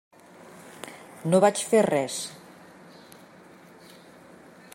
No vaig fer res.